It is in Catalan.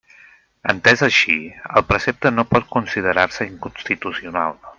Entès així, el precepte no pot considerar-se inconstitucional.